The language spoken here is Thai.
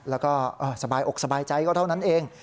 แล้วก็สบายอกสบายใจก็เท่านั้นเอง